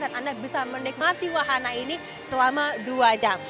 dan anda bisa menikmati wahana ini selama dua jam